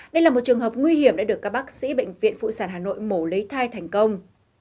đây là một trường hợp nguy hiểm đã được các bác sĩ bệnh viện phụ sản hà nội mổ lấy thai thành công